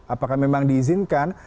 apakah memang diizinkan